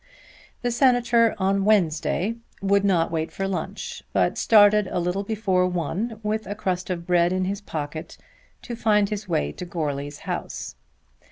The Senator on Wednesday would not wait for lunch but started a little before one with a crust of bread in his pocket to find his way to Goarly's house.